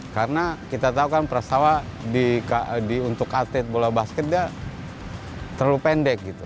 karena kita tahu kan prastawa untuk atlet bola basket dia terlalu pendek gitu